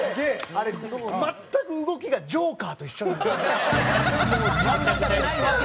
あれ全く動きがジョーカーと一緒なんよ。